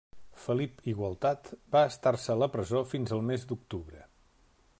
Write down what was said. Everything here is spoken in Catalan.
Felip Igualtat va estar-se a la presó fins al mes d'octubre.